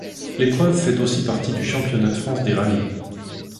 L'épreuve fait aussi partie du championnat de France des rallyes.